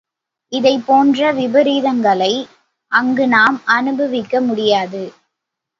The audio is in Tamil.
இதைப் போன்ற விபரீதங்களை அங்கு நாம் அனுபவிக்க முடியாது.